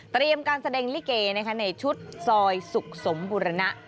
การแสดงลิเกในชุดซอยสุขสมบุรณะ